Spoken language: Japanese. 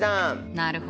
なるほど。